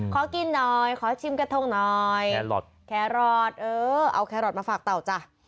ขอกินหน่อยขอชิมกระทงหน่อยแครอทแครอทเออเอาแครอทมาฝากเต่าจ้ะ